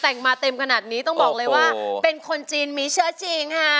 แต่งมาเต็มขนาดนี้ต้องบอกเลยว่าเป็นคนจีนมีเชื้อจริงค่ะ